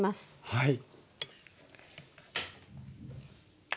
はい。